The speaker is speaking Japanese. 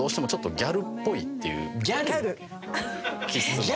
ギャル⁉